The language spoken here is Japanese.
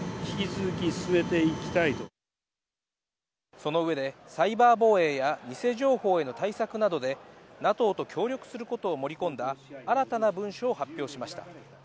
その上でサイバー防衛や偽情報への対策などでＮＡＴＯと協力することを盛り込んだ新たな文書を発表しました。